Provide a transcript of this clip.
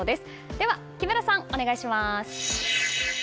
では木村さん、お願いします。